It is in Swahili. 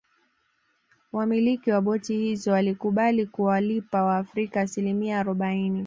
Wamiliki wa boti hizo walikubali kuwalipa waafrika asimilia arobaini